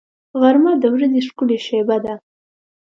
غرمه د ورځې ښکلې شېبه ده